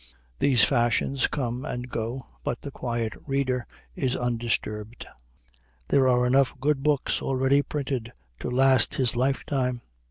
These fashions come and go, but the quiet reader is undisturbed. There are enough good books already printed to last his life time.